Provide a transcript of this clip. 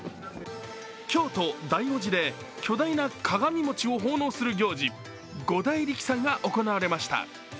京都・醍醐寺で巨大な鏡餅を奉納する行事、五大力さんが行われました。